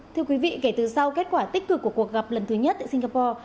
thưa quý vị kể từ sau kết quả tích cực của cuộc gặp lần thứ nhất tại singapore